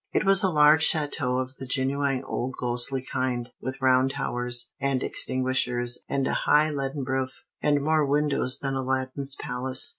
It was a large château of the genuine old ghostly kind, with round towers, and extinguishers, and a high leaden roof, and more windows than Aladdin's palace.